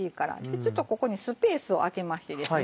ちょっとここにスペースを空けましてですね